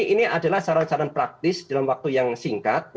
ini adalah saran saran praktis dalam waktu yang singkat